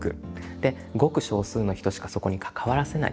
でごく少数の人しかそこに関わらせない。